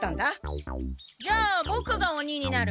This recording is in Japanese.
じゃあボクがおにになる。